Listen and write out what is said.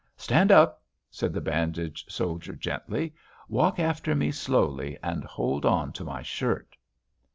"Stand up," said the bandaged soldier gently. "Walk after me slowly and hold on to my shirt...."